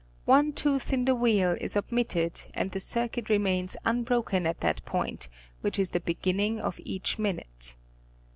One tooth im the wheel is omitted and the circuit remains unbroken at that point which is the beginning of each minute.